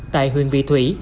tại huyện vị thủy